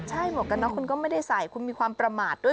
ใช่หมวกกันน็อกคุณก็ไม่ได้ใส่คุณมีความประมาทด้วย